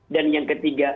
dan yang ketiga